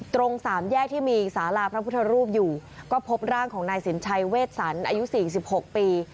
ตรงสามแยกที่มีสาราพระพุทธรูปอยู่ก็พบร่างของนายสินชัยเวชสันอายุ๔๖ปี